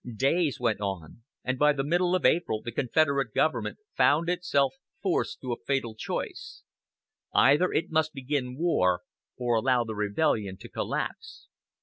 Days went on, and by the middle of April the Confederate government found itself forced to a fatal choice. Either it must begin war, or allow the rebellion to collapse.